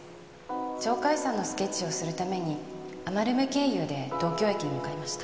鳥海山のスケッチをするために余目経由で東京駅に向かいました。